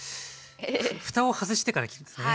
ふたを外してから切りますね。